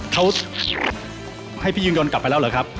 เขาให้พี่ยืนยนต์กลับไปแล้วเหรอครับ